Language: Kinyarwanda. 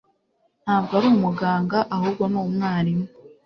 Ntabwo ari umuganga ahubwo ni umwarimu